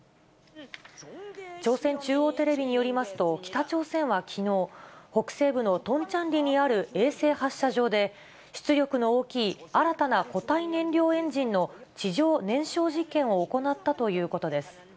朝鮮中央テレビによりますと、北朝鮮はきのう、北西部のトンチャンリにある衛星発射場で、出力の大きい新たな固体燃料エンジンの地上燃焼実験を行ったということです。